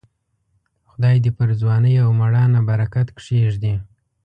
خدای دې پر ځوانۍ او مړانه برکت کښېږدي.